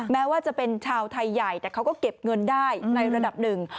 แม้ว่าจะเป็นชาวไทยใหญ่แต่เขาก็เก็บเงินได้ในระดับหนึ่ง